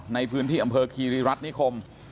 ในพื้นที่อำเภอคีรีรัฐนิคม